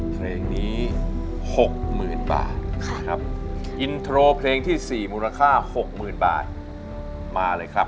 เพลงนี้๖๐๐๐บาทนะครับอินโทรเพลงที่๔มูลค่า๖๐๐๐บาทมาเลยครับ